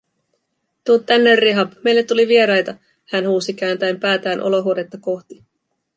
"Tuu tänne, Rihab, meille tuli vieraita", hän huusi kääntäen päätään olohuonetta kohti.